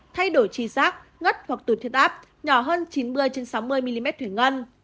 thay đổi chi sát ngất hoặc tụt thiết áp nhỏ hơn chín mươi sáu mươi mm thủy ngân